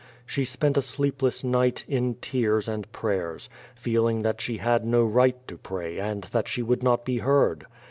She sjH^nt a sleepless night, in tears and prayei*s, feeling that she had no right to pra;> and that she would not lie heard.